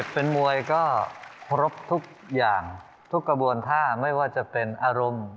ปรบทุกอย่างทุกกระบวนท่าไม่ว่าจะเป็นอารมณ์